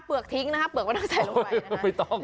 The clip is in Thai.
เปลือกทิ้งนะคะเปลือกว่าต้องใส่ลงไปไม่ต้อง